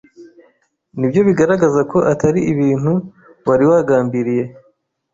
nibyo bigaragaza ko atari ibintu wari wagambiriye